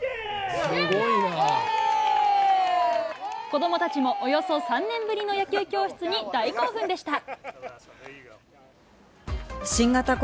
子どもたちもおよそ３年ぶりの野球教室に大興奮でした。